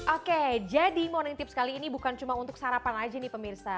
oke jadi morning tips kali ini bukan cuma untuk sarapan aja nih pemirsa